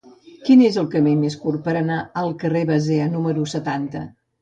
Quin és el camí més curt per anar al carrer de Basea número setanta?